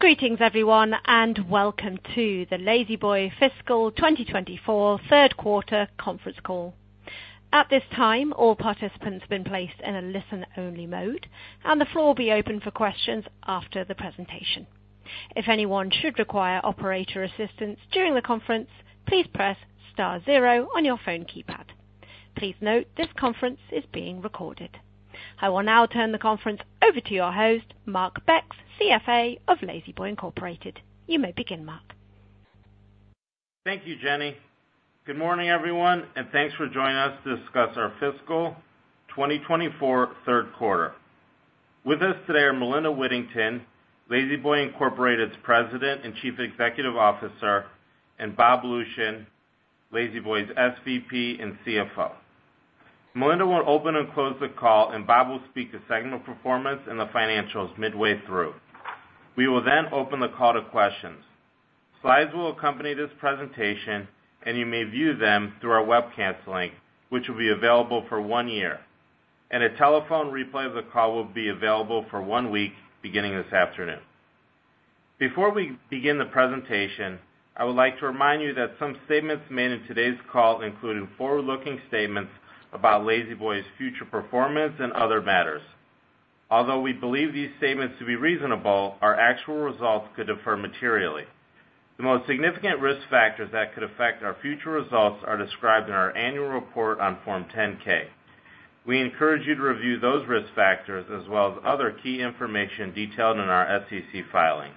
Greetings, everyone, and welcome to the La-Z-Boy Fiscal 2024 third quarter conference call. At this time, all participants have been placed in a listen-only mode, and the floor will be open for questions after the presentation. If anyone should require operator assistance during the conference, please press star zero on your phone keypad. Please note, this conference is being recorded. I will now turn the conference over to your host, Mark Becks, CFA of La-Z-Boy Incorporated. You may begin, Mark. Thank you, Jenny. Good morning, everyone, and thanks for joining us to discuss our fiscal 2024 third quarter. With us today are Melinda Whittington, La-Z-Boy Incorporated's President and Chief Executive Officer, and Bob Lucian, La-Z-Boy's SVP and CFO. Melinda will open and close the call, and Bob will speak a segment of performance and the financials midway through. We will then open the call to questions. Slides will accompany this presentation, and you may view them through our webcast link, which will be available for one year. A telephone replay of the call will be available for one week, beginning this afternoon. Before we begin the presentation, I would like to remind you that some statements made in today's call include forward-looking statements about La-Z-Boy's future performance and other matters. Although we believe these statements to be reasonable, our actual results could differ materially. The most significant risk factors that could affect our future results are described in our annual report on Form 10-K. We encourage you to review those risk factors as well as other key information detailed in our SEC filing.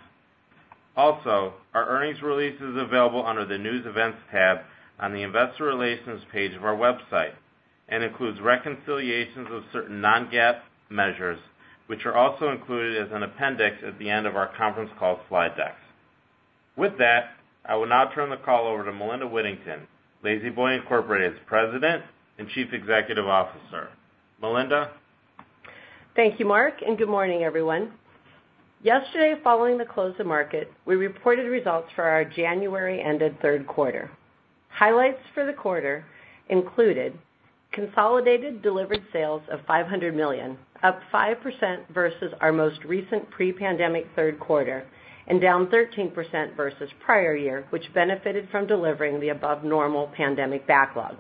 Also, our earnings release is available under the News Events tab on the investor relations page of our website and includes reconciliations of certain non-GAAP measures, which are also included as an appendix at the end of our conference call slide deck. With that, I will now turn the call over to Melinda Whittington, La-Z-Boy Incorporated's President and Chief Executive Officer. Melinda? Thank you, Mark, and good morning, everyone. Yesterday, following the close of market, we reported results for our January-ended third quarter. Highlights for the quarter included consolidated delivered sales of $500 million, up 5% versus our most recent pre-pandemic third quarter and down 13% versus prior year, which benefited from delivering the above-normal pandemic backlog.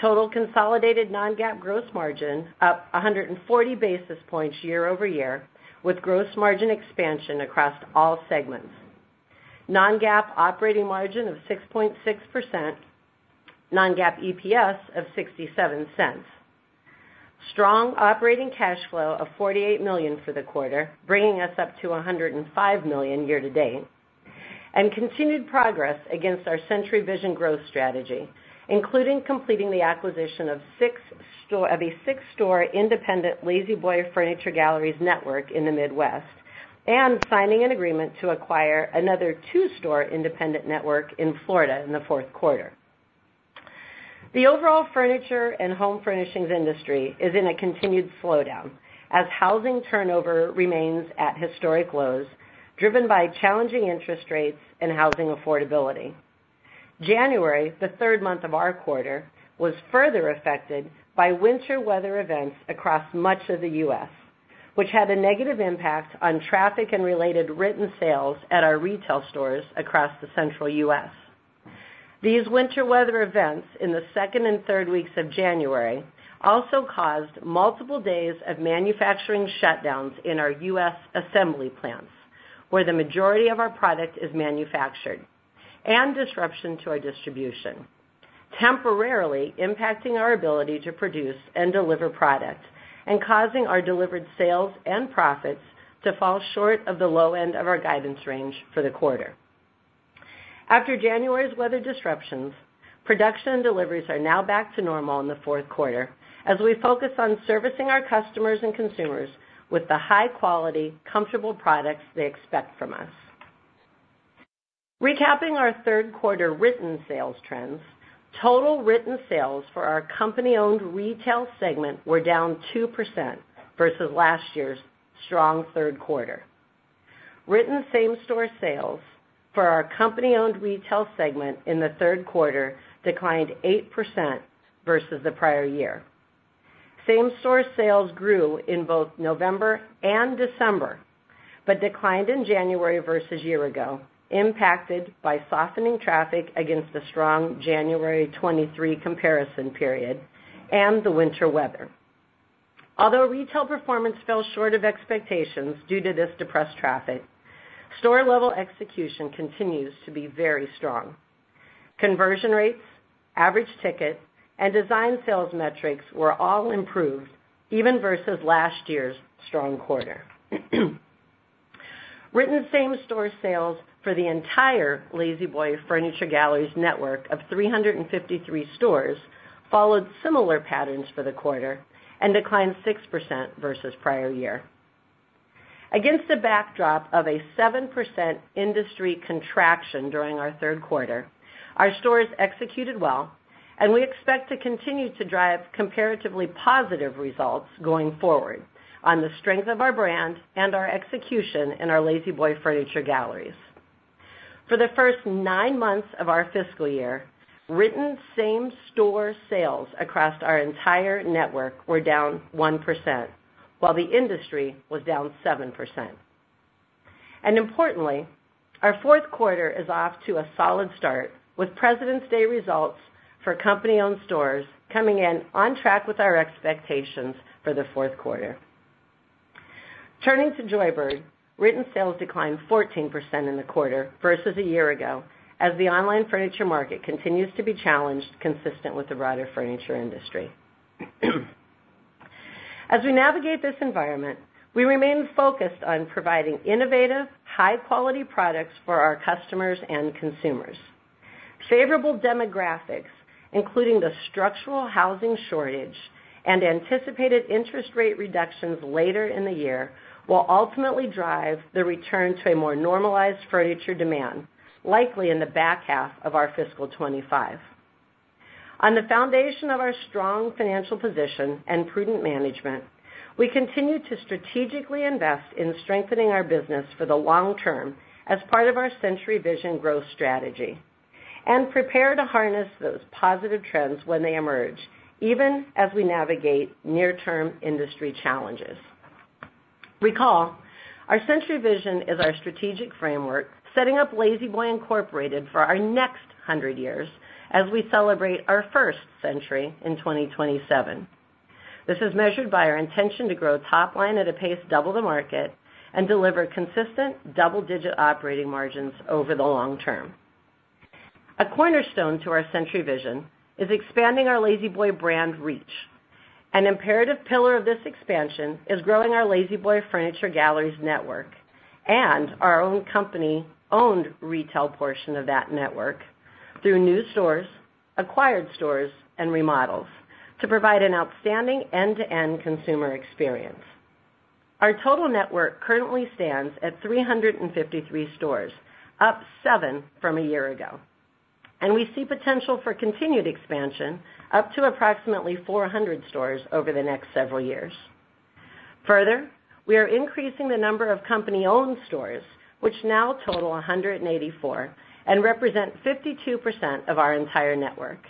Total consolidated non-GAAP gross margin, up 140 basis points year-over-year, with gross margin expansion across all segments. Non-GAAP operating margin of 6.6%, non-GAAP EPS of 0.67. Strong operating cash flow of $48 million for the quarter, bringing us up to $105 million year to date. Continued progress against our Century Vision growth strategy, including completing the acquisition of a 6-store independent La-Z-Boy Furniture Galleries network in the Midwest and signing an agreement to acquire another 2-store independent network in Florida in the fourth quarter. The overall furniture and home furnishings industry is in a continued slowdown as housing turnover remains at historic lows, driven by challenging interest rates and housing affordability. January, the third month of our quarter, was further affected by winter weather events across much of the U.S., which had a negative impact on traffic and related written sales at our retail stores across the central U.S. These winter weather events in the second and third weeks of January also caused multiple days of manufacturing shutdowns in our U.S. assembly plants, where the majority of our product is manufactured, and disruption to our distribution, temporarily impacting our ability to produce and deliver product and causing our delivered sales and profits to fall short of the low end of our guidance range for the quarter. After January's weather disruptions, production and deliveries are now back to normal in the fourth quarter as we focus on servicing our customers and consumers with the high-quality, comfortable products they expect from us. Recapping our third quarter written sales trends, total written sales for our company-owned retail segment were down 2% versus last year's strong third quarter. Written same-store sales for our company-owned retail segment in the third quarter declined 8% versus the prior year. Same-store sales grew in both November and December but declined in January versus a year ago, impacted by softening traffic against the strong January 2023 comparison period and the winter weather. Although retail performance fell short of expectations due to this depressed traffic, store-level execution continues to be very strong. Conversion rates, average ticket, and design sales metrics were all improved, even versus last year's strong quarter. Written Same-Store Sales for the entire La-Z-Boy Furniture Galleries network of 353 stores followed similar patterns for the quarter and declined 6% versus prior year. Against the backdrop of a 7% industry contraction during our third quarter, our stores executed well, and we expect to continue to drive comparatively positive results going forward on the strength of our brand and our execution in our La-Z-Boy Furniture Galleries. For the first nine months of our fiscal year, written same-store sales across our entire network were down 1%, while the industry was down 7%. Importantly, our fourth quarter is off to a solid start with Presidents' Day results for company-owned stores coming in on track with our expectations for the fourth quarter. Turning to Joybird, written sales declined 14% in the quarter versus a year ago as the online furniture market continues to be challenged, consistent with the broader furniture industry. As we navigate this environment, we remain focused on providing innovative, high-quality products for our customers and consumers. Favorable demographics, including the structural housing shortage and anticipated interest rate reductions later in the year, will ultimately drive the return to a more normalized furniture demand, likely in the back half of our fiscal 2025. On the foundation of our strong financial position and prudent management, we continue to strategically invest in strengthening our business for the long term as part of our Century Vision growth strategy and prepare to harness those positive trends when they emerge, even as we navigate near-term industry challenges. Recall, our Century Vision is our strategic framework setting up La-Z-Boy Incorporated for our next 100 years as we celebrate our first century in 2027. This is measured by our intention to grow top-line at a pace double the market and deliver consistent, double-digit operating margins over the long term. A cornerstone to our Century Vision is expanding our La-Z-Boy brand reach. An imperative pillar of this expansion is growing our La-Z-Boy Furniture Galleries network and our own company-owned retail portion of that network through new stores, acquired stores, and remodels to provide an outstanding end-to-end consumer experience. Our total network currently stands at 353 stores, up 7 from a year ago, and we see potential for continued expansion up to approximately 400 stores over the next several years. Further, we are increasing the number of company-owned stores, which now total 184 and represent 52% of our entire network.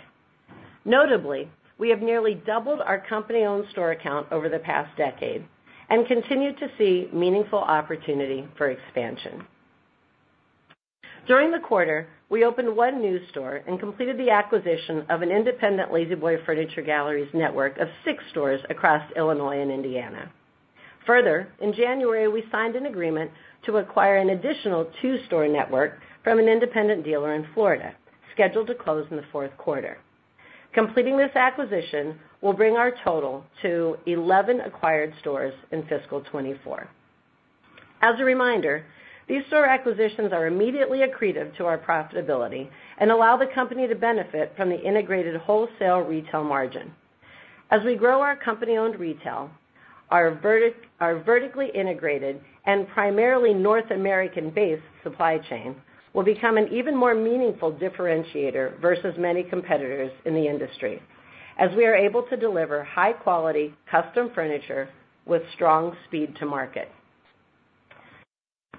Notably, we have nearly doubled our company-owned store account over the past decade and continue to see meaningful opportunity for expansion. During the quarter, we opened 1 new store and completed the acquisition of an independent La-Z-Boy Furniture Galleries network of 6 stores across Illinois and Indiana. Further, in January, we signed an agreement to acquire an additional 2-store network from an independent dealer in Florida, scheduled to close in the fourth quarter. Completing this acquisition will bring our total to 11 acquired stores in fiscal 2024. As a reminder, these store acquisitions are immediately accretive to our profitability and allow the company to benefit from the integrated wholesale retail margin. As we grow our company-owned retail, our vertically integrated and primarily North American-based supply chain will become an even more meaningful differentiator versus many competitors in the industry as we are able to deliver high-quality, custom furniture with strong speed to market.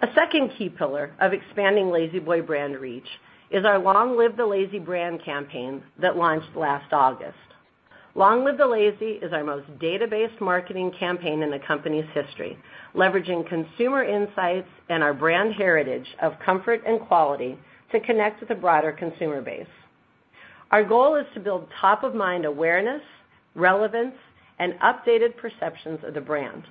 A second key pillar of expanding La-Z-Boy brand reach is our Long Live the Lazy brand campaign that launched last August. Long Live the Lazy is our most data-driven marketing campaign in the company's history, leveraging consumer insights and our brand heritage of comfort and quality to connect with a broader consumer base. Our goal is to build top-of-mind awareness, relevance, and updated perceptions of the brand.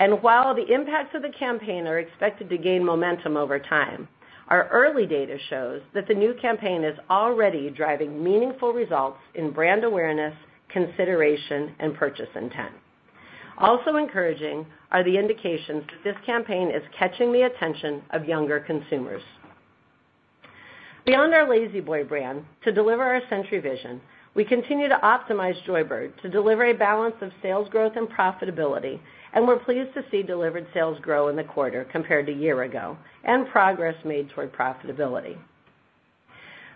And while the impacts of the campaign are expected to gain momentum over time, our early data shows that the new campaign is already driving meaningful results in brand awareness, consideration, and purchase intent. Also encouraging are the indications that this campaign is catching the attention of younger consumers. Beyond our La-Z-Boy brand, to deliver our Century Vision, we continue to optimize Joybird to deliver a balance of sales growth and profitability, and we're pleased to see delivered sales grow in the quarter compared to a year ago and progress made toward profitability.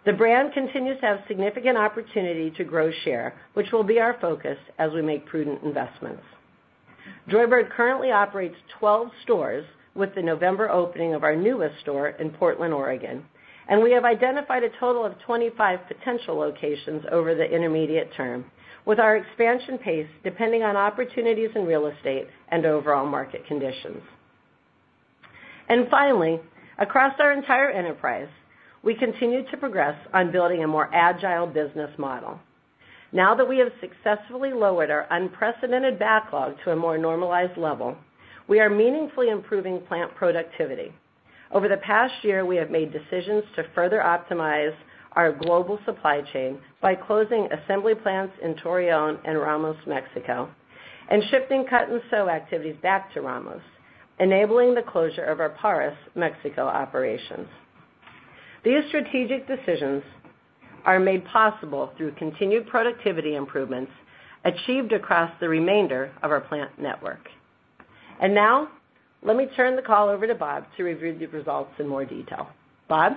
The brand continues to have significant opportunity to grow share, which will be our focus as we make prudent investments. Joybird currently operates 12 stores with the November opening of our newest store in Portland, Oregon, and we have identified a total of 25 potential locations over the intermediate term, with our expansion pace depending on opportunities in real estate and overall market conditions. Finally, across our entire enterprise, we continue to progress on building a more agile business model. Now that we have successfully lowered our unprecedented backlog to a more normalized level, we are meaningfully improving plant productivity. Over the past year, we have made decisions to further optimize our global supply chain by closing assembly plants in Torreón and Ramos, Mexico, and shifting cut-and-sew activities back to Ramos, enabling the closure of our Parras, Mexico, operations. These strategic decisions are made possible through continued productivity improvements achieved across the remainder of our plant network. Now, let me turn the call over to Bob to review the results in more detail. Bob?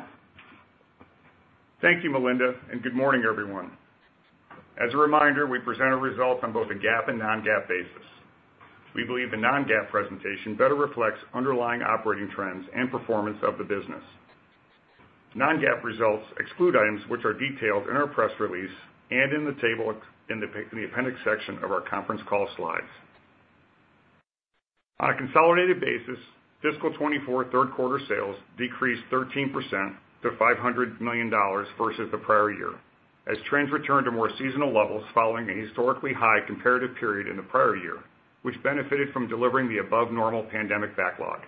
Thank you, Melinda, and good morning, everyone. As a reminder, we present our results on both a GAAP and non-GAAP basis. We believe the non-GAAP presentation better reflects underlying operating trends and performance of the business. Non-GAAP results exclude items which are detailed in our press release and in the table in the appendix section of our conference call slides. On a consolidated basis, fiscal 2024 third quarter sales decreased 13% to $500 million versus the prior year, as trends returned to more seasonal levels following a historically high comparative period in the prior year, which benefited from delivering the above-normal pandemic backlog.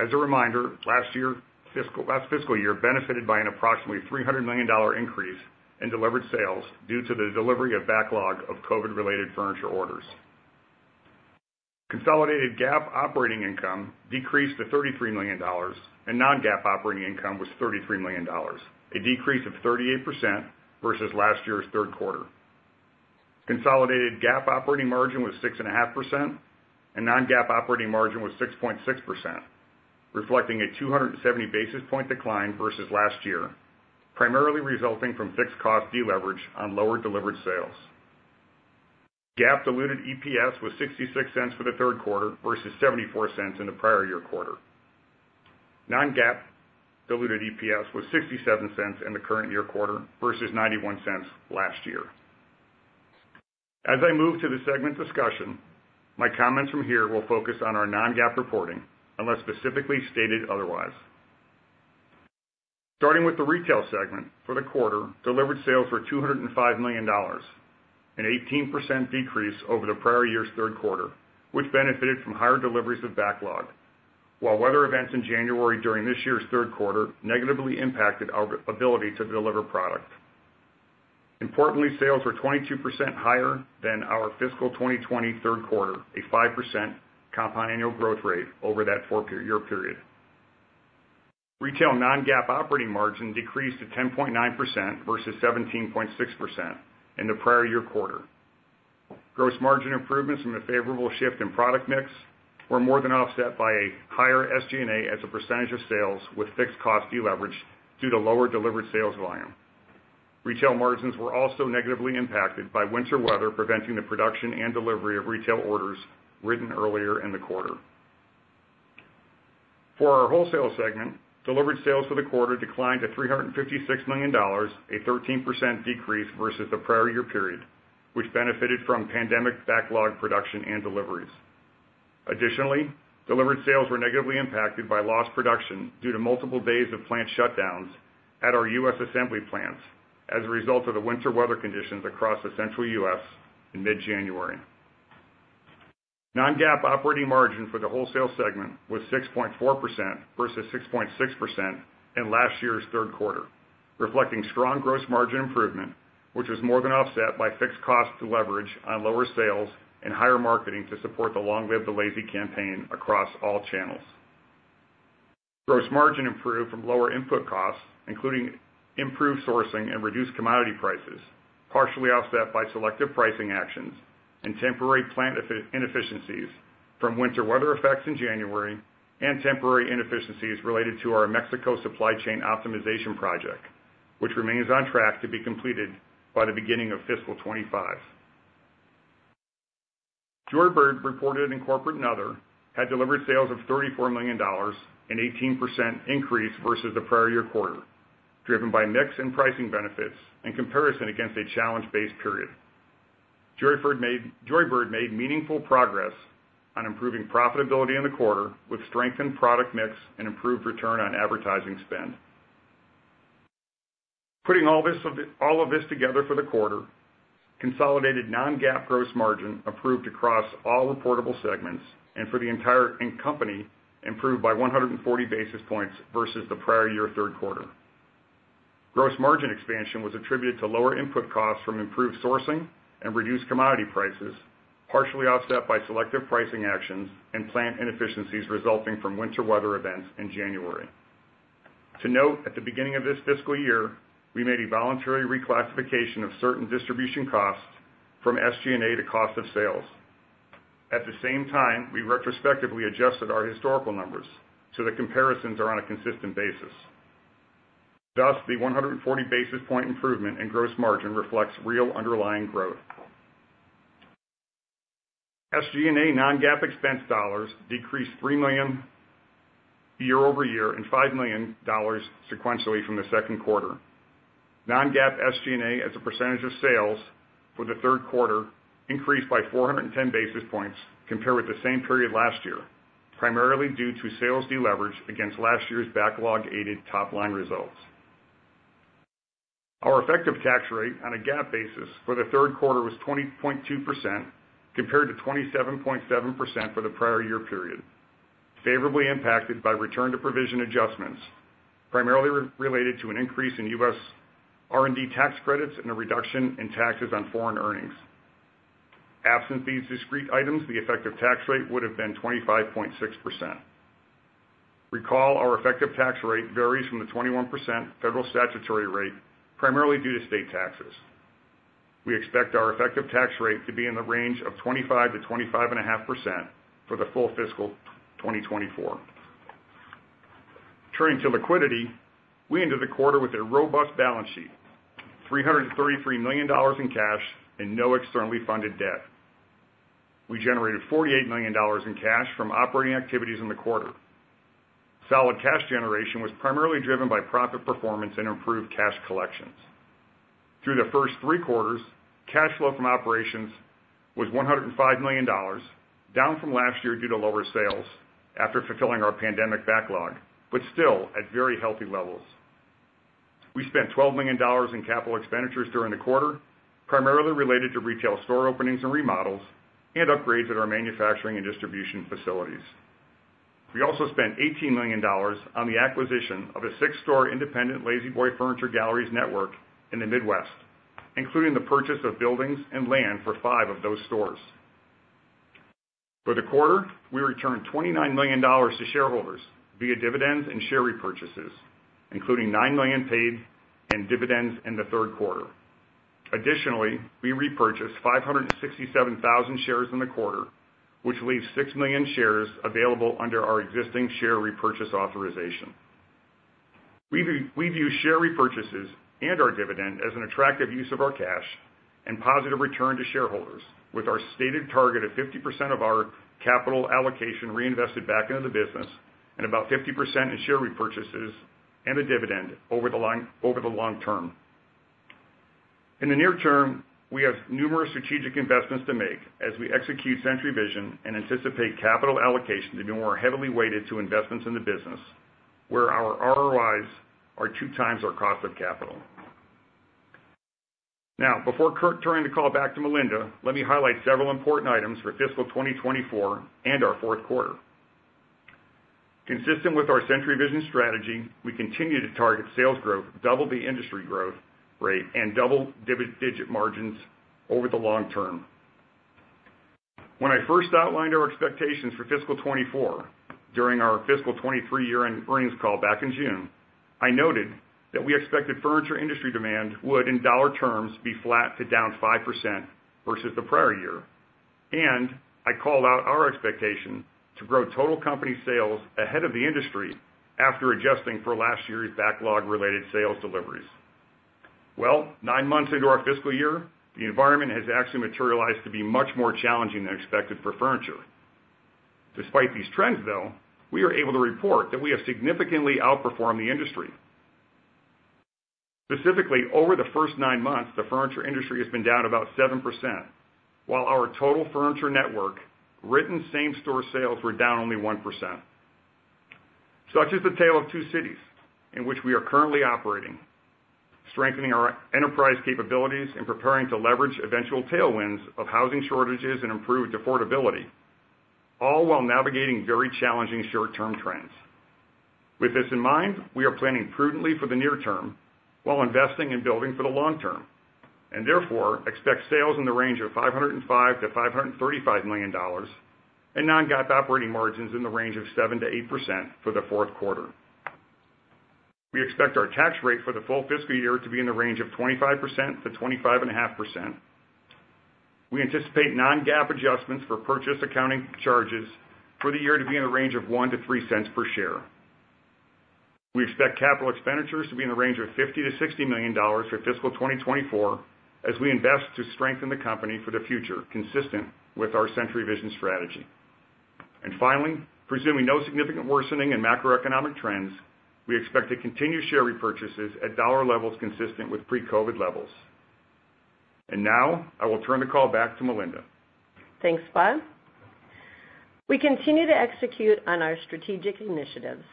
As a reminder, last fiscal year benefited by an approximately $300 million increase in delivered sales due to the delivery of backlog of COVID-related furniture orders. Consolidated GAAP operating income decreased to $33 million, and non-GAAP operating income was $33 million, a decrease of 38% versus last year's third quarter. Consolidated GAAP operating margin was 6.5%, and non-GAAP operating margin was 6.6%, reflecting a 270 basis points decline versus last year, primarily resulting from fixed cost deleverage on lower delivered sales. GAAP diluted EPS was $0.66 for the third quarter versus $0.74 in the prior year quarter. Non-GAAP diluted EPS was $0.67 in the current year quarter versus $0.91 last year. As I move to the segment discussion, my comments from here will focus on our non-GAAP reporting unless specifically stated otherwise. Starting with the retail segment, for the quarter, delivered sales were $205 million, an 18% decrease over the prior year's third quarter, which benefited from higher deliveries of backlog, while weather events in January during this year's third quarter negatively impacted our ability to deliver product. Importantly, sales were 22% higher than our fiscal 2020 third quarter, a 5% compound annual growth rate over that year period. Retail non-GAAP operating margin decreased to 10.9% versus 17.6% in the prior year quarter. Gross margin improvements from a favorable shift in product mix were more than offset by a higher SG&A as a percentage of sales with fixed cost deleverage due to lower delivered sales volume. Retail margins were also negatively impacted by winter weather preventing the production and delivery of retail orders written earlier in the quarter. For our wholesale segment, delivered sales for the quarter declined to $356 million, a 13% decrease versus the prior year period, which benefited from pandemic backlog production and deliveries. Additionally, delivered sales were negatively impacted by lost production due to multiple days of plant shutdowns at our U.S. assembly plants as a result of the winter weather conditions across the central U.S. in mid-January. Non-GAAP operating margin for the wholesale segment was 6.4% versus 6.6% in last year's third quarter, reflecting strong gross margin improvement, which was more than offset by fixed cost deleverage on lower sales and higher marketing to support the Long Live the Lazy campaign across all channels. Gross margin improved from lower input costs, including improved sourcing and reduced commodity prices, partially offset by selective pricing actions and temporary plant inefficiencies from winter weather effects in January and temporary inefficiencies related to our Mexico supply chain optimization project, which remains on track to be completed by the beginning of fiscal 2025. Joybird reported in Corporate and Other had delivered sales of $34 million, an 18% increase versus the prior year quarter, driven by mix and pricing benefits and comparison against a challenge-based period. Joybird made meaningful progress on improving profitability in the quarter with strengthened product mix and improved return on advertising spend. Putting all of this together for the quarter, consolidated non-GAAP gross margin improved across all reportable segments and for the entire company improved by 140 basis points versus the prior year third quarter. Gross margin expansion was attributed to lower input costs from improved sourcing and reduced commodity prices, partially offset by selective pricing actions and plant inefficiencies resulting from winter weather events in January. To note, at the beginning of this fiscal year, we made a voluntary reclassification of certain distribution costs from SG&A to cost of sales. At the same time, we retrospectively adjusted our historical numbers so that comparisons are on a consistent basis. Thus, the 140 basis point improvement in gross margin reflects real underlying growth. SG&A non-GAAP expense dollars decreased $3 million year over year and $5 million sequentially from the second quarter. Non-GAAP SG&A as a percentage of sales for the third quarter increased by 410 basis points compared with the same period last year, primarily due to sales deleverage against last year's backlog-aided top-line results. Our effective tax rate on a GAAP basis for the third quarter was 20.2% compared to 27.7% for the prior year period, favorably impacted by return-to-provision adjustments, primarily related to an increase in U.S. R&D tax credits and a reduction in taxes on foreign earnings. Absent these discrete items, the effective tax rate would have been 25.6%. Recall, our effective tax rate varies from the 21% federal statutory rate, primarily due to state taxes. We expect our effective tax rate to be in the range of 25%-25.5% for the full fiscal 2024. Turning to liquidity, we ended the quarter with a robust balance sheet, $333 million in cash and no externally funded debt. We generated $48 million in cash from operating activities in the quarter. Solid cash generation was primarily driven by profit performance and improved cash collections. Through the first three quarters, cash flow from operations was $105 million, down from last year due to lower sales after fulfilling our pandemic backlog, but still at very healthy levels. We spent $12 million in capital expenditures during the quarter, primarily related to retail store openings and remodels and upgrades at our manufacturing and distribution facilities. We also spent $18 million on the acquisition of a six-store independent La-Z-Boy Furniture Galleries network in the Midwest, including the purchase of buildings and land for five of those stores. For the quarter, we returned $29 million to shareholders via dividends and share repurchases, including nine million paid in dividends in the third quarter. Additionally, we repurchased 567,000 shares in the quarter, which leaves six million shares available under our existing share repurchase authorization. We view share repurchases and our dividend as an attractive use of our cash and positive return to shareholders, with our stated target of 50% of our capital allocation reinvested back into the business and about 50% in share repurchases and a dividend over the long term. In the near term, we have numerous strategic investments to make as we execute Century Vision and anticipate capital allocation to be more heavily weighted to investments in the business, where our ROIs are 2x our cost of capital. Now, before turning the call back to Melinda, let me highlight several important items for fiscal 2024 and our fourth quarter. Consistent with our Century Vision strategy, we continue to target sales growth, double the industry growth rate, and double-digit margins over the long term. When I first outlined our expectations for fiscal 2024 during our fiscal 2023 year-end earnings call back in June, I noted that we expected furniture industry demand would, in dollar terms, be flat to down 5% versus the prior year, and I called out our expectation to grow total company sales ahead of the industry after adjusting for last year's backlog-related sales deliveries. Well, nine months into our fiscal year, the environment has actually materialized to be much more challenging than expected for furniture. Despite these trends, though, we are able to report that we have significantly outperformed the industry. Specifically, over the first nine months, the furniture industry has been down about 7%, while our total furniture network written same-store sales were down only 1%. Such is the tale of two cities in which we are currently operating, strengthening our enterprise capabilities and preparing to leverage eventual tailwinds of housing shortages and improved affordability, all while navigating very challenging short-term trends. With this in mind, we are planning prudently for the near term while investing and building for the long term and, therefore, expect sales in the range of $505 million-$535 million and non-GAAP operating margins in the range of 7%-8% for the fourth quarter. We expect our tax rate for the full fiscal year to be in the range of 25%-25.5%. We anticipate non-GAAP adjustments for purchase accounting charges for the year to be in the range of $0.01-$0.03 per share. We expect capital expenditures to be in the range of $50-$60 million for fiscal 2024 as we invest to strengthen the company for the future, consistent with our Century Vision strategy. And finally, presuming no significant worsening in macroeconomic trends, we expect to continue share repurchases at dollar levels consistent with pre-COVID levels. And now, I will turn the call back to Melinda. Thanks, Bob. We continue to execute on our strategic initiatives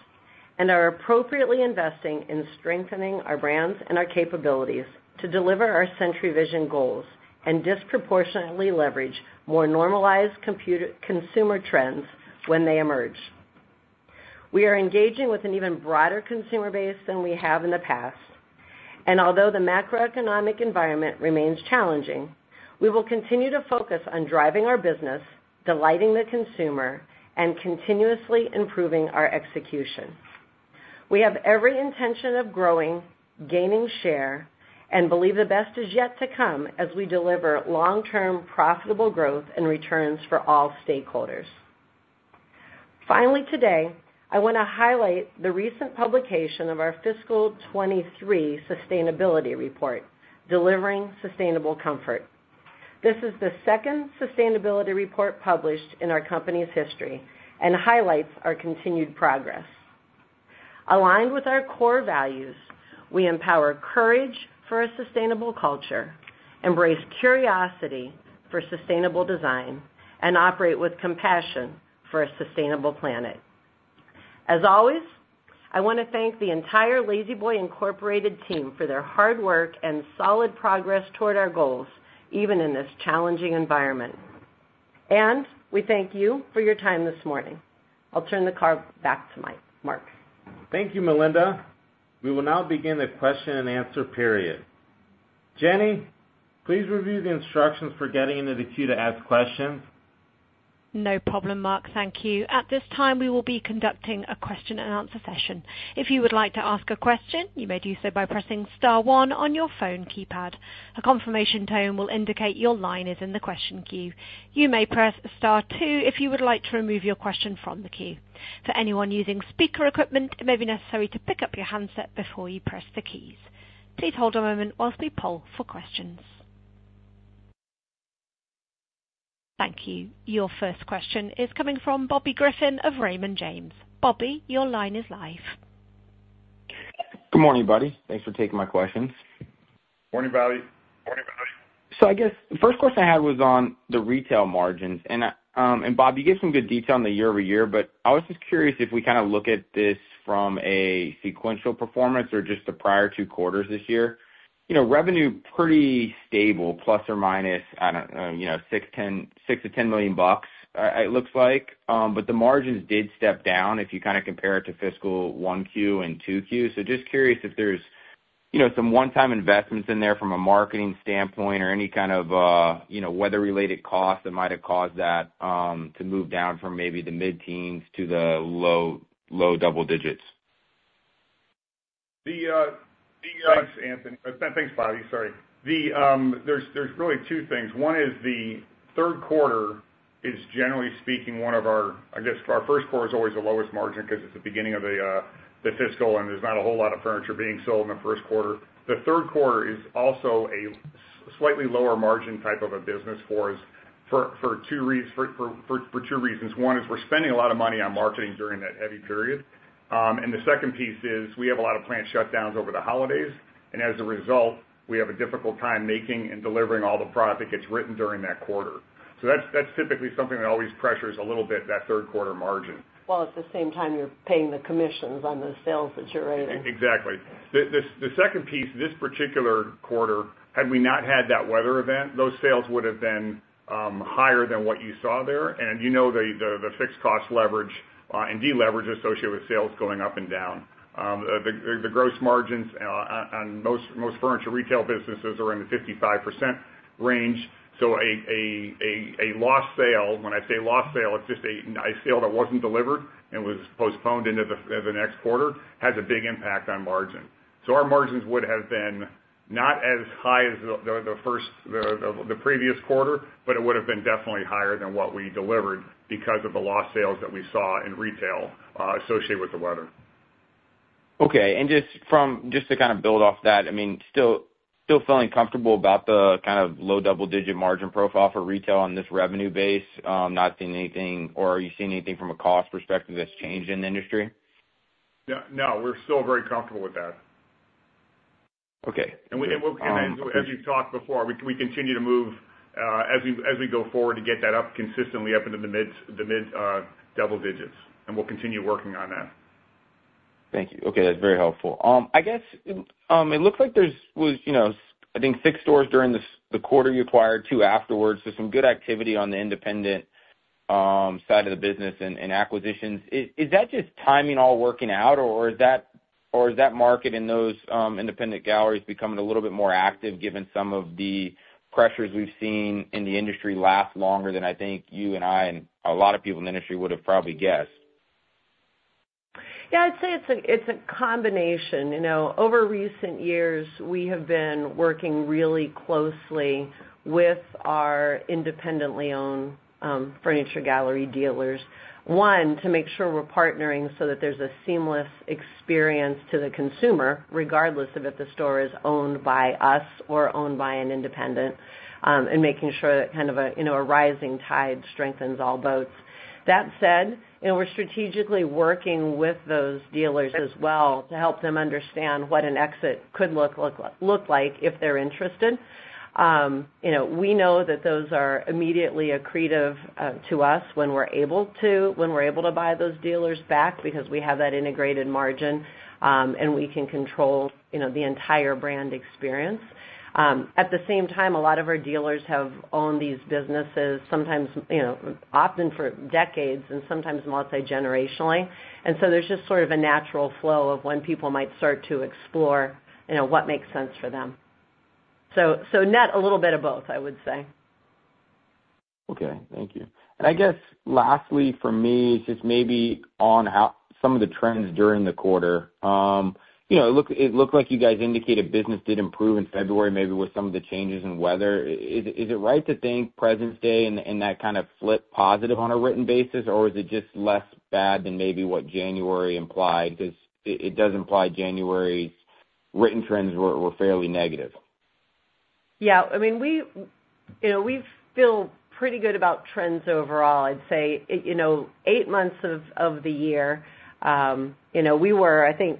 and are appropriately investing in strengthening our brands and our capabilities to deliver our Century Vision goals and disproportionately leverage more normalized consumer trends when they emerge. We are engaging with an even broader consumer base than we have in the past, and although the macroeconomic environment remains challenging, we will continue to focus on driving our business, delighting the consumer, and continuously improving our execution. We have every intention of growing, gaining share, and believe the best is yet to come as we deliver long-term profitable growth and returns for all stakeholders. Finally, today, I want to highlight the recent publication of our fiscal 2023 sustainability report, Delivering Sustainable Comfort. This is the second sustainability report published in our company's history and highlights our continued progress. Aligned with our core values, we empower courage for a sustainable culture, embrace curiosity for sustainable design, and operate with compassion for a sustainable planet. As always, I want to thank the entire La-Z-Boy Incorporated team for their hard work and solid progress toward our goals, even in this challenging environment. We thank you for your time this morning. I'll turn the call back to Mark. Thank you, Melinda. We will now begin the question-and-answer period. Jenny, please review the instructions for getting into the queue to ask questions. No problem, Mark. Thank you. At this time, we will be conducting a question-and-answer session. If you would like to ask a question, you may do so by pressing star one on your phone keypad. A confirmation tone will indicate your line is in the question queue. You may press star two if you would like to remove your question from the queue. For anyone using speaker equipment, it may be necessary to pick up your handset before you press the keys. Please hold a moment while we poll for questions. Thank you. Your first question is coming from Bobby Griffin of Raymond James. Bobby, your line is live. Good morning, buddy. Thanks for taking my questions. Morning, Bobby. Morning, Bobby. So I guess the first question I had was on the retail margins. Bobby, you gave some good detail in the year-over-year, but I was just curious if we kind of look at this from a sequential performance or just the prior two quarters this year. Revenue pretty stable, plus or minus, I don't know, $6 million-$10 million, it looks like. But the margins did step down if you kind of compare it to fiscal Q1 and Q2. So just curious if there's some one-time investments in there from a marketing standpoint or any kind of weather-related cost that might have caused that to move down from maybe the mid-teens to the low double digits. Thanks, Anthony. Thanks, Bobby. Sorry. There's really two things. One is the third quarter is, generally speaking, one of our. I guess our first quarter is always the lowest margin because it's the beginning of the fiscal, and there's not a whole lot of furniture being sold in the first quarter. The third quarter is also a slightly lower margin type of a business for two reasons. One is we're spending a lot of money on marketing during that heavy period. And the second piece is we have a lot of plant shutdowns over the holidays, and as a result, we have a difficult time making and delivering all the product that gets written during that quarter. So that's typically something that always pressures a little bit that third quarter margin. While at the same time, you're paying the commissions on the sales that you're writing. Exactly. The second piece, this particular quarter, had we not had that weather event, those sales would have been higher than what you saw there. And you know the fixed cost leverage and deleverage associated with sales going up and down. The gross margins on most furniture retail businesses are in the 55% range. So a lost sale when I say lost sale, it's just a sale that wasn't delivered and was postponed into the next quarter has a big impact on margin. So our margins would have been not as high as the previous quarter, but it would have been definitely higher than what we delivered because of the lost sales that we saw in retail associated with the weather. Okay. And just to kind of build off that, I mean, still feeling comfortable about the kind of low double-digit margin profile for retail on this revenue base? Not seeing anything or are you seeing anything from a cost perspective that's changed in the industry? No. We're still very comfortable with that. And as you've talked before, we continue to move as we go forward to get that consistently up into the mid double digits, and we'll continue working on that. Thank you. Okay. That's very helpful. I guess it looks like there was, I think, 6 stores during the quarter you acquired, 2 afterwards. So some good activity on the independent side of the business and acquisitions. Is that just timing all working out, or is that market in those independent galleries becoming a little bit more active given some of the pressures we've seen in the industry last longer than I think you and I and a lot of people in the industry would have probably guessed? Yeah. I'd say it's a combination. Over recent years, we have been working really closely with our independently owned furniture gallery dealers, one, to make sure we're partnering so that there's a seamless experience to the consumer, regardless of if the store is owned by us or owned by an independent, and making sure that kind of a rising tide strengthens all boats. That said, we're strategically working with those dealers as well to help them understand what an exit could look like if they're interested. We know that those are immediately accretive to us when we're able to buy those dealers back because we have that integrated margin, and we can control the entire brand experience. At the same time, a lot of our dealers have owned these businesses sometimes often for decades and sometimes multi-generationally. And so there's just sort of a natural flow of when people might start to explore what makes sense for them. So net, a little bit of both, I would say. Okay. Thank you. And I guess lastly, for me, just maybe on some of the trends during the quarter. It looked like you guys indicated business did improve in February maybe with some of the changes in weather. Is it right to think President's Day and that kind of flipped positive on a written basis, or is it just less bad than maybe what January implied? Because it does imply January's written trends were fairly negative. Yeah. I mean, we feel pretty good about trends overall, I'd say. Eight months of the year, we were, I think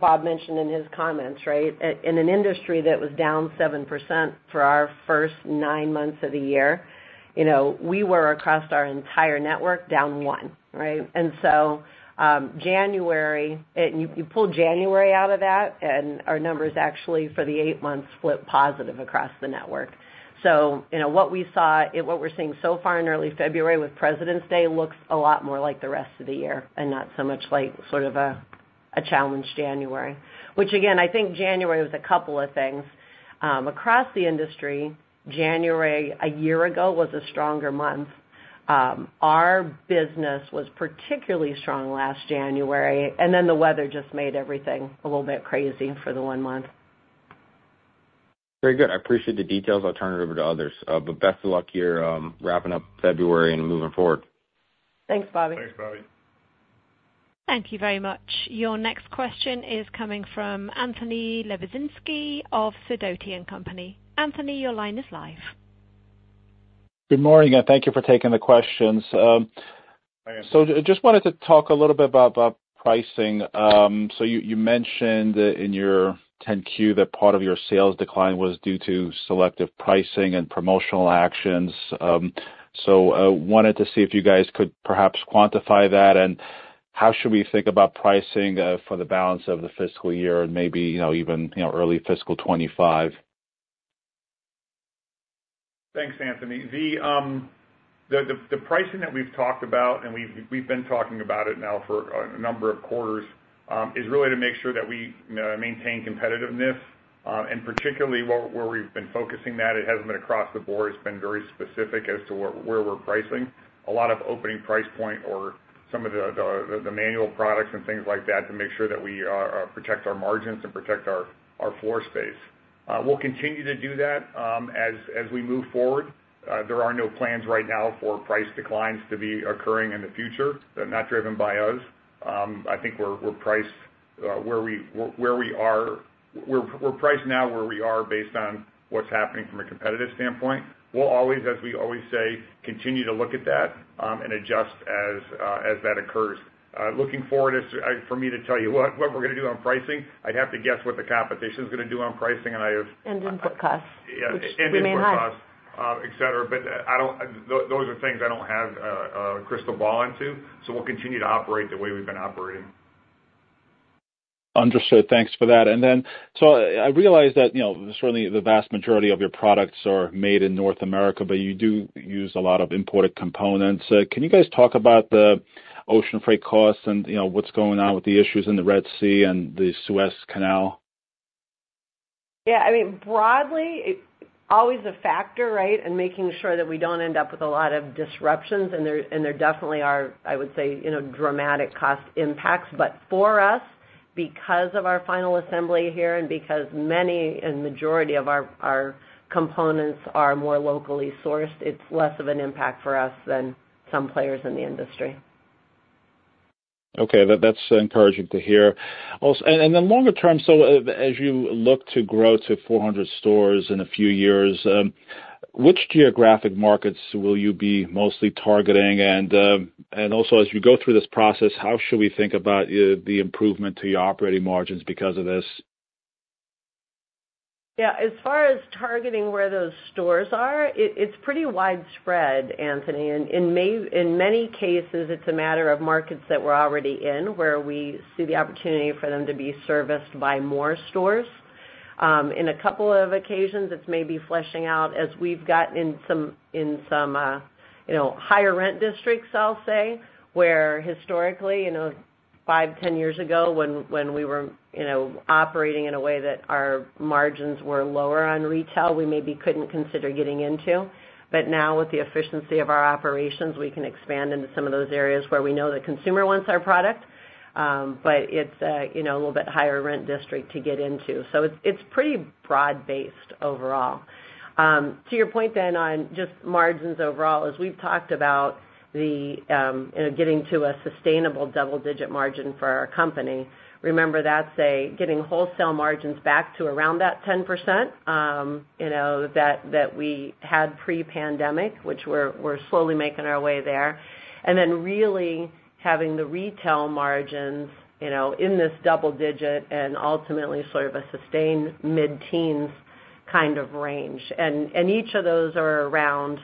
Bob mentioned in his comments, right, in an industry that was down 7% for our first nine months of the year. We were across our entire network down 1, right? And so January and you pull January out of that, and our numbers actually for the eight months flipped positive across the network. So what we saw what we're seeing so far in early February with President's Day looks a lot more like the rest of the year and not so much like sort of a challenged January, which, again, I think January was a couple of things. Across the industry, January a year ago was a stronger month. Our business was particularly strong last January, and then the weather just made everything a little bit crazy for the one month. Very good. I appreciate the details. I'll turn it over to others. But best of luck. You're wrapping up February and moving forward. Thanks, Bobby. Thanks, Bobby. Thank you very much. Your next question is coming from Anthony Lebiedzinski of Sidoti & Company. Anthony, your line is live. Good morning. And thank you for taking the questions. So just wanted to talk a little bit about pricing. So you mentioned in your 10-Q that part of your sales decline was due to selective pricing and promotional actions. So wanted to see if you guys could perhaps quantify that. And how should we think about pricing for the balance of the fiscal year and maybe even early fiscal 2025? Thanks, Anthony. The pricing that we've talked about, and we've been talking about it now for a number of quarters, is really to make sure that we maintain competitiveness. And particularly where we've been focusing that, it hasn't been across the board. It's been very specific as to where we're pricing, a lot of opening price point or some of the manual products and things like that to make sure that we protect our margins and protect our floor space. We'll continue to do that as we move forward. There are no plans right now for price declines to be occurring in the future that are not driven by us. I think we're priced where we are we're priced now where we are based on what's happening from a competitive standpoint. We'll always, as we always say, continue to look at that and adjust as that occurs. Looking forward for me to tell you what we're going to do on pricing, I'd have to guess what the competition is going to do on pricing, and I have and input costs, which we may have. And input costs, etc. But those are things I don't have a crystal ball into. So we'll continue to operate the way we've been operating. Understood. Thanks for that. And then so I realize that certainly the vast majority of your products are made in North America, but you do use a lot of imported components. Can you guys talk about the ocean freight costs and what's going on with the issues in the Red Sea and the Suez Canal? Yeah. I mean, broadly, it's always a factor, right, in making sure that we don't end up with a lot of disruptions. And there definitely are, I would say, dramatic cost impacts. But for us, because of our final assembly here and because many and majority of our components are more locally sourced, it's less of an impact for us than some players in the industry. Okay. That's encouraging to hear. Then longer term, so as you look to grow to 400 stores in a few years, which geographic markets will you be mostly targeting? And also, as you go through this process, how should we think about the improvement to your operating margins because of this? Yeah. As far as targeting where those stores are, it's pretty widespread, Anthony. In many cases, it's a matter of markets that we're already in where we see the opportunity for them to be serviced by more stores. In a couple of occasions, it's maybe fleshing out as we've gotten in some higher-rent districts, I'll say, where historically, five, 10 years ago, when we were operating in a way that our margins were lower on retail, we maybe couldn't consider getting into. But now, with the efficiency of our operations, we can expand into some of those areas where we know the consumer wants our product, but it's a little bit higher-rent district to get into. So it's pretty broad-based overall. To your point then on just margins overall, as we've talked about getting to a sustainable double-digit margin for our company, remember that's getting wholesale margins back to around that 10% that we had pre-pandemic, which we're slowly making our way there, and then really having the retail margins in this double-digit and ultimately sort of a sustained mid-teens kind of range. And each of those are around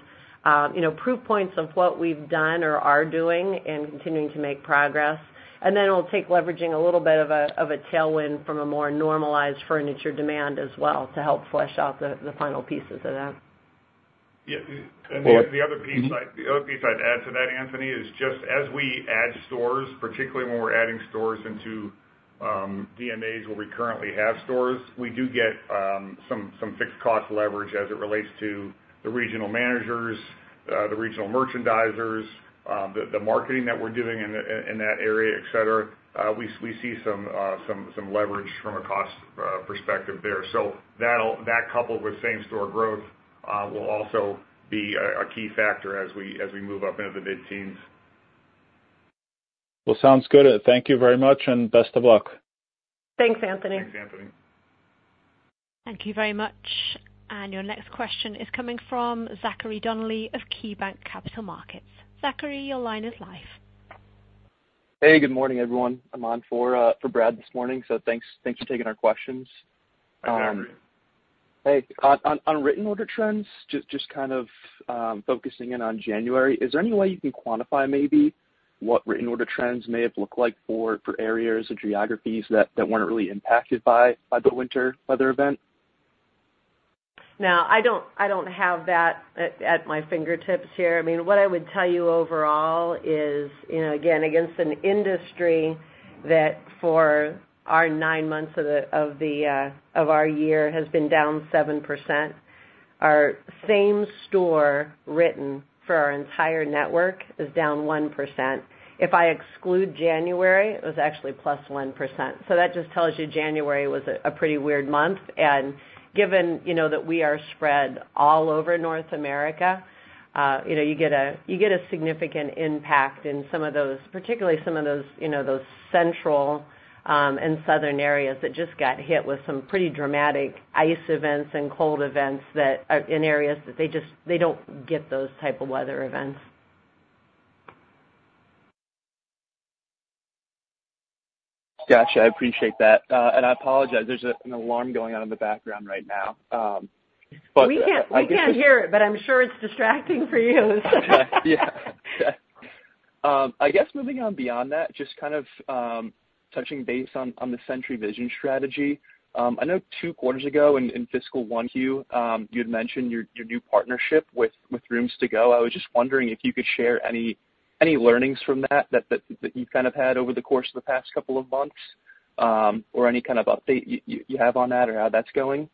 proof points of what we've done or are doing and continuing to make progress. And then it'll take leveraging a little bit of a tailwind from a more normalized furniture demand as well to help flesh out the final pieces of that. Yeah. And the other piece I'd add to that, Anthony, is just as we add stores, particularly when we're adding stores into DNAs where we currently have stores, we do get some fixed cost leverage as it relates to the regional managers, the regional merchandisers, the marketing that we're doing in that area, etc. We see some leverage from a cost perspective there. So that coupled with same-store growth will also be a key factor as we move up into the mid-teens. Well, sounds good. Thank you very much, and best of luck. Thanks, Anthony. Thanks, Anthony. Thank you very much. And your next question is coming from Zachary Donnelly of KeyBanc Capital Markets. Zachary, your line is live. Hey. Good morning, everyone. I'm on for Brad this morning. So thanks for taking our questions. Hey. On written order trends, just kind of focusing in on January, is there any way you can quantify maybe what written order trends may have looked like for areas or geographies that weren't really impacted by the winter weather event? No. I don't have that at my fingertips here. I mean, what I would tell you overall is, again, against an industry that for our nine months of our year has been down -7%, our same store written for our entire network is down -1%. If I exclude January, it was actually +1%. So that just tells you January was a pretty weird month. Given that we are spread all over North America, you get a significant impact in some of those, particularly some of those central and southern areas that just got hit with some pretty dramatic ice events and cold events in areas that they don't get those type of weather events. Gotcha. I appreciate that. I apologize. There's an alarm going on in the background right now. But I guess. we can hear it, but I'm sure it's distracting for you. Yeah. Yeah. I guess moving on beyond that, just kind of touching base on the Century Vision strategy, I know two quarters ago in fiscal 1Q, you had mentioned your new partnership with Rooms To Go. I was just wondering if you could share any learnings from that that you've kind of had over the course of the past couple of months or any kind of update you have on that or how that's going?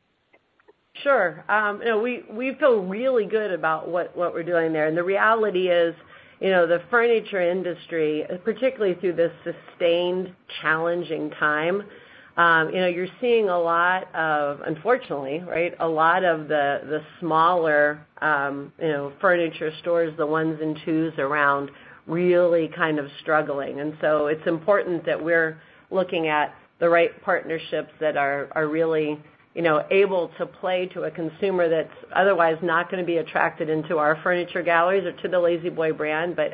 Sure. We feel really good about what we're doing there. And the reality is the furniture industry, particularly through this sustained challenging time, you're seeing a lot of unfortunately, right, a lot of the smaller furniture stores, the ones and twos around, really kind of struggling. And so it's important that we're looking at the right partnerships that are really able to play to a consumer that's otherwise not going to be attracted into our furniture galleries or to the La-Z-Boy brand but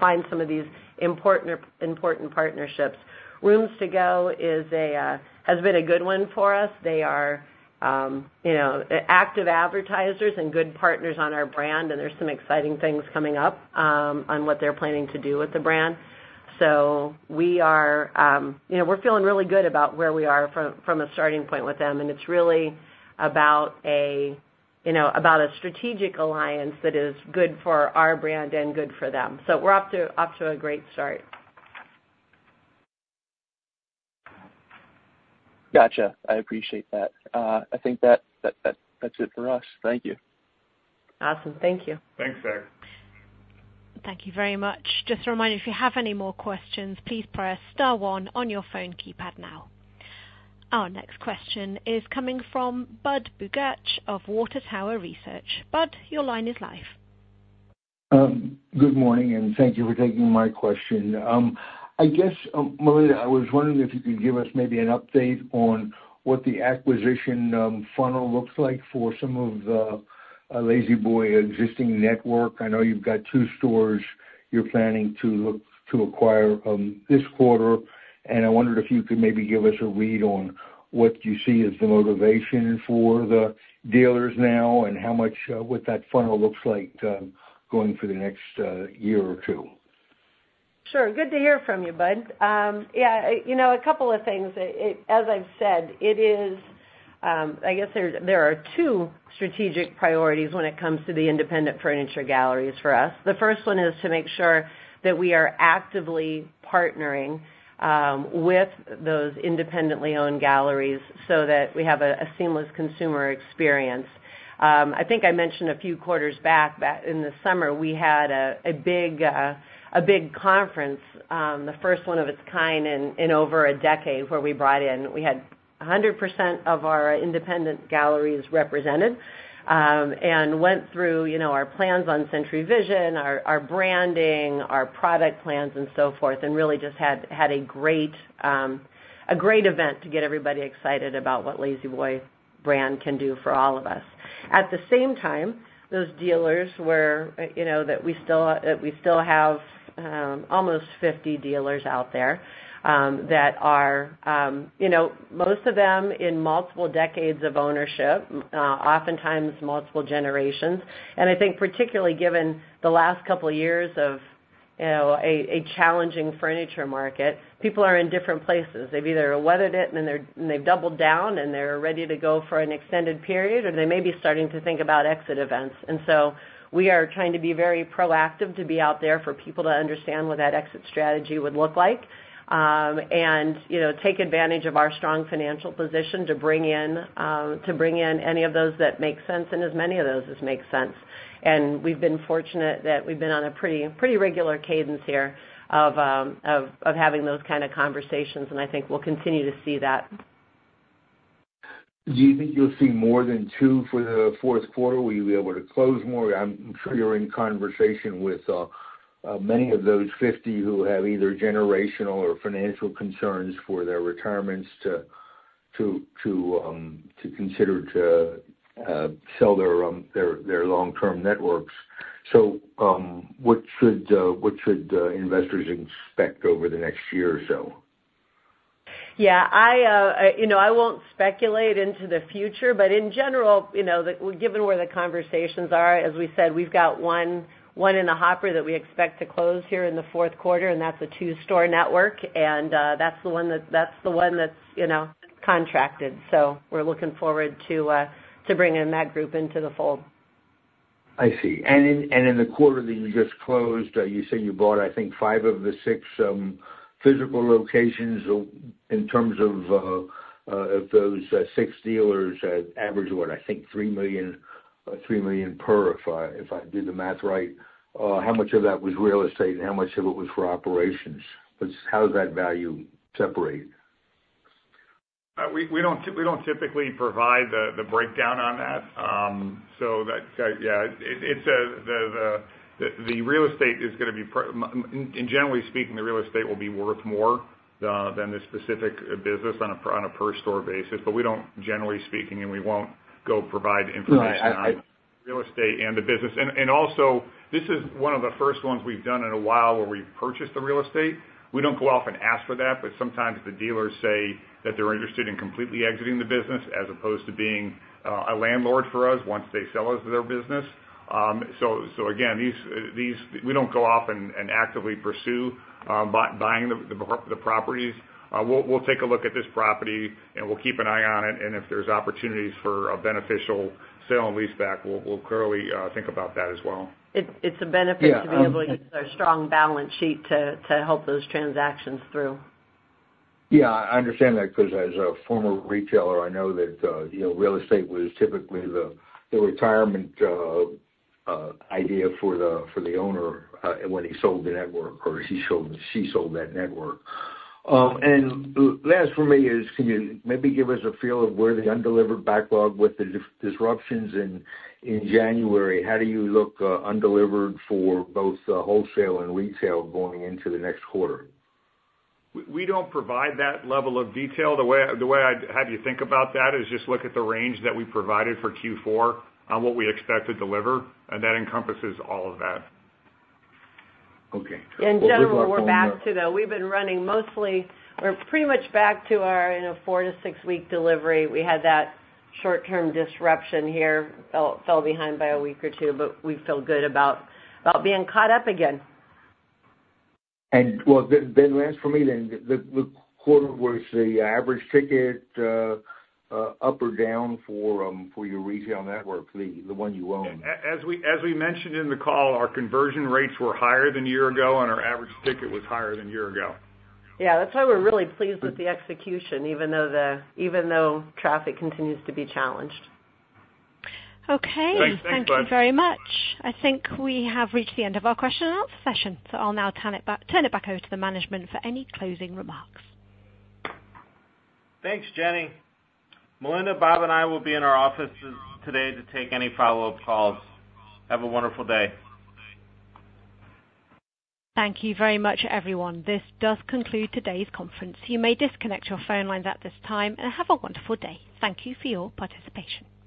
find some of these important partnerships. Rooms To Go has been a good one for us. They are active advertisers and good partners on our brand, and there's some exciting things coming up on what they're planning to do with the brand. So we're feeling really good about where we are from a starting point with them. And it's really about a strategic alliance that is good for our brand and good for them. So we're off to a great start. Gotcha. I appreciate that. I think that's it for us. Thank you. Awesome. Thank you. Thanks, Zach. Thank you very much. Just a reminder, if you have any more questions, please press star one on your phone keypad now. Our next question is coming from Budd Bugatch of Water Tower Research. Bud, your line is live. Good morning, and thank you for taking my question.I guess, Melinda, I was wondering if you could give us maybe an update on what the acquisition funnel looks like for some of the La-Z-Boy existing network. I know you've got two stores you're planning to acquire this quarter. And I wondered if you could maybe give us a read on what you see as the motivation for the dealers now and what that funnel looks like going for the next year or two. Sure. Good to hear from you, Budd. Yeah. A couple of things. As I've said, it is I guess there are two strategic priorities when it comes to the independent furniture galleries for us. The first one is to make sure that we are actively partnering with those independently owned galleries so that we have a seamless consumer experience. I think I mentioned a few quarters back in the summer, we had a big conference, the first one of its kind in over a decade, where we brought in, we had 100% of our independent galleries represented and went through our plans on Century Vision, our branding, our product plans, and so forth, and really just had a great event to get everybody excited about what La-Z-Boy brand can do for all of us. At the same time, those dealers were that we still have almost 50 dealers out there that are most of them in multiple decades of ownership, oftentimes multiple generations. I think particularly given the last couple of years of a challenging furniture market, people are in different places. They've either weathered it, and then they've doubled down, and they're ready to go for an extended period, or they may be starting to think about exit events. And so we are trying to be very proactive to be out there for people to understand what that exit strategy would look like and take advantage of our strong financial position to bring in any of those that make sense and as many of those as make sense. And we've been fortunate that we've been on a pretty regular cadence here of having those kind of conversations. And I think we'll continue to see that. Do you think you'll see more than 2 for the fourth quarter? Will you be able to close more? I'm sure you're in conversation with many of those 50 who have either generational or financial concerns for their retirements to consider to sell their long-term networks. So what should investors expect over the next year or so? Yeah. I won't speculate into the future. But in general, given where the conversations are, as we said, we've got 1 in the hopper that we expect to close here in the fourth quarter, and that's a 2-store network. And that's the one that's contracted. So we're looking forward to bringing that group into the fold. I see. And in the quarter that you just closed, you said you bought, I think, 5 of the 6 physical locations. In terms of those 6 dealers, average what, I think, $3 million per, if I do the math right, how much of that was real estate and how much of it was for operations? How does that value separate? We don't typically provide the breakdown on that. So yeah, the real estate is going to be, and generally speaking, the real estate will be worth more than the specific business on a per-store basis. But generally speaking, we won't go provide information on real estate and the business. And also, this is one of the first ones we've done in a while where we've purchased the real estate. We don't go off and ask for that, but sometimes the dealers say that they're interested in completely exiting the business as opposed to being a landlord for us once they sell us their business. So again, we don't go off and actively pursue buying the properties. We'll take a look at this property, and we'll keep an eye on it. And if there's opportunities for a beneficial sale and lease back, we'll clearly think about that as well. It's a benefit to be able to use our strong balance sheet to help those transactions through. Yeah. I understand that because as a former retailer, I know that real estate was typically the retirement idea for the owner when he sold the network or she sold that network. And last for me is, can you maybe give us a feel of where the undelivered backlog with the disruptions in January? How do you look undelivered for both wholesale and retail going into the next quarter? We don't provide that level of detail. The way I'd have you think about that is just look at the range that we provided for Q4 on what we expect to deliver, and that encompasses all of that. Okay. We'll just look at that. In general, we're back to the we've been running mostly we're pretty much back to our 4-6-week delivery. We had that short-term disruption here, fell behind by a week or two, but we feel good about being caught up again. And well, then last for me, then the quarter where it's the average ticket up or down for your retail network, the one you own? As we mentioned in the call, our conversion rates were higher than a year ago, and our average ticket was higher than a year ago. Yeah. That's why we're really pleased with the execution even though traffic continues to be challenged. Okay. Thank you very much. I think we have reached the end of our question-and-answer session. So I'll now turn it back over to the management for any closing remarks. Thanks, Jenny. Melinda, Bob, and I will be in our offices today to take any follow-up calls. Have a wonderful day. Thank you very much, everyone. This does conclude today's conference. You may disconnect your phone lines at this time, and have a wonderful day. Thank you for your participation.